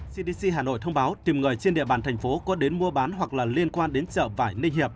cdc hà nội thông báo tìm người trên địa bàn thành phố có đến mua bán hoặc là liên quan đến chợ vải ninh hiệp